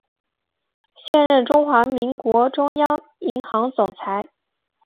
现任中华民国中央银行总裁。